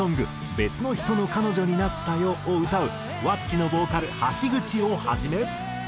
『別の人の彼女になったよ』を歌うｗａｃｃｉのボーカル橋口をはじめ。